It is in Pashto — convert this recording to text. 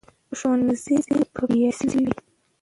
ښوونځي به بریالي شوي وي.